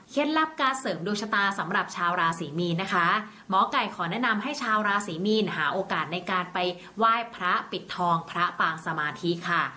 ลับการเสริมดวงชะตาสำหรับชาวราศรีมีนนะคะหมอไก่ขอแนะนำให้ชาวราศีมีนหาโอกาสในการไปไหว้พระปิดทองพระปางสมาธิค่ะ